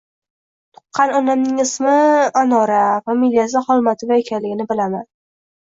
Tuqqan onamning ismi – Anora, familiyasi Xolmatova ekanligini bilaman.